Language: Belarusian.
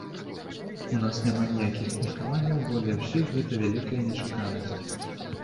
У нас няма ніякіх меркаванняў, бо для ўсіх гэта вялікая нечаканасць.